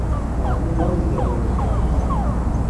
Xweha min nên li tenûrê dixe.